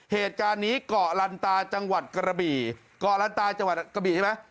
เหตุการณ์นี้เกาะลันตาจังหวัดกระบี่เกาะลันตาจังหวัดกระบี่ใช่ไหม